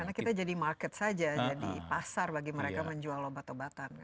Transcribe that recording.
karena kita jadi market saja jadi pasar bagi mereka menjual obat obatan